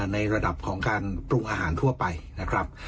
ในระดับของการปรุงอาหารทั่วไปนะครับ